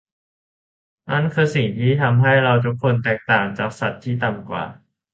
นั่นคือสิ่งที่ทำให้เราทุกคนแตกต่างจากสัตว์ที่ต่ำกว่า